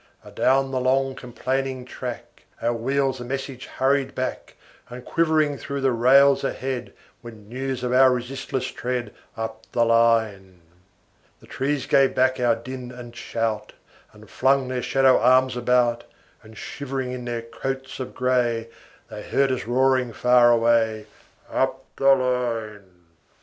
Adown the long, complaining track, Our wheels a message hurried back; And quivering through the rails ahead, Went news of our resistless tread, Up the line. The trees gave back our din and shout, And flung their shadow arms about; And shivering in their coats of gray, They heard us roaring far away, Up the line.